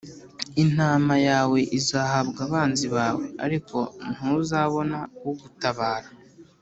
intama yawe izahabwa abanzi bawe, ariko ntuzabona ugutabara